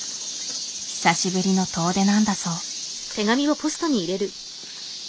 久しぶりの遠出なんだそう。